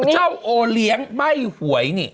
เจ้าโหลี๋ยงไม่หวยนี่